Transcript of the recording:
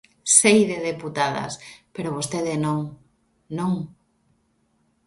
Sei de deputadas, pero vostede non, non.